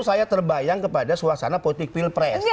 saya terbayang kepada suasana politik pilpres